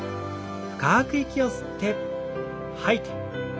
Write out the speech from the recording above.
深く息を吸って吐いて。